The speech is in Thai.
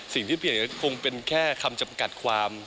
สิ่งที่เปลี่ยนก็คงเป็นแค่คำจำกัดความ